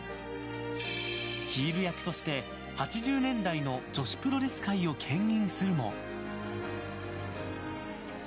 ヒール役として８０年代の女子プロレス界を牽引するも。